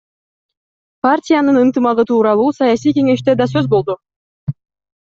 Партиянын ынтымагы тууралуу саясий кеңеште да сөз болду.